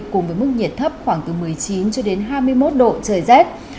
cùng với mức nhiệt thấp khoảng từ một mươi chín cho đến hai mươi một độ trời rét